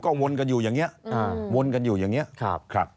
ก็วนกันอยู่อย่างเนี้ยอ่าวนกันอยู่อย่างเนี้ยครับครับ